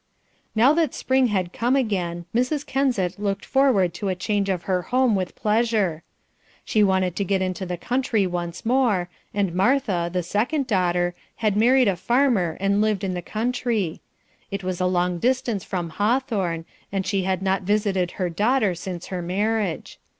Now that spring had come again, Mrs. Kensett looked forward to a change of her home with pleasure; she wanted to get into the country once more, and Martha, the second daughter, had married a farmer and lived in the country; it was a long distance from Hawthorn, and she had not visited her daughter since her marriage.